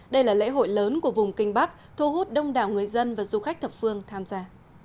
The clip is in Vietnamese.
đây là lễ hội lớn của vùng kinh bắc thu hút đông đảo người dân và du khách thập phương tham gia